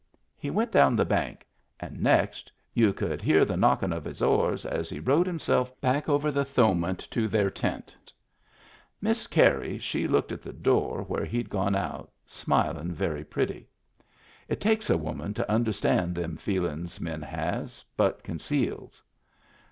He went down the bank, and next y'u could hear the knockin' of his oars, as he rowed himself back over the Thowmet to their tent. Miss Carey she looked at the door where he'd gone out, smilin' very pretty. It takes a woman to understand them feelin's men has, but conceals.